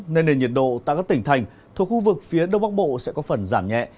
nên nền nhiệt độ tại các tỉnh thành thuộc khu vực phía đông bắc bộ sẽ có phần giảm nhẹ